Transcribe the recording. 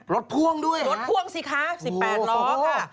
พ่วงด้วยรถพ่วงสิคะ๑๘ล้อค่ะ